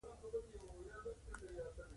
په دوامداره پاللو کې له ستونزو سره مخامخ دي؟